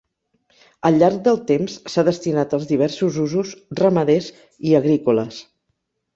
Al llarg del temps s'ha destinat als diversos usos ramaders i agrícoles.